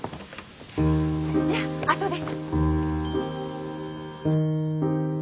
じゃあとで。